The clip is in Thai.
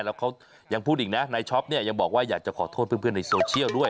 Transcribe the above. แล้วเขายังพูดอีกนะนายช็อปเนี่ยยังบอกว่าอยากจะขอโทษเพื่อนในโซเชียลด้วย